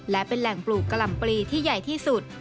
และเป็นแหล่งปลูกกะหล่ำปลีที่ใหญ่ที่สุด